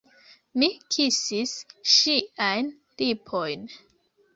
Mi kisis ŝiajn lipojn.